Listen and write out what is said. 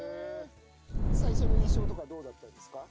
最初の印象とかどうだったんですか？